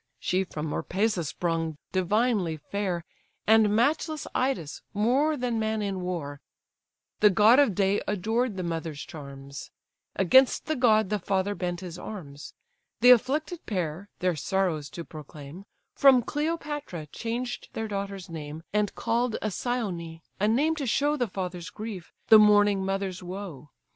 (She from Marpessa sprung, divinely fair, And matchless Idas, more than man in war: The god of day adored the mother's charms; Against the god the father bent his arms: The afflicted pair, their sorrows to proclaim, From Cleopatra changed their daughter's name, And call'd Alcyone; a name to show The father's grief, the mourning mother's woe.)